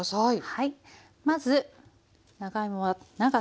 はい。